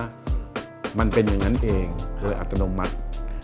มันเป็นอย่างนั้นเองโดยอัตโนมัติ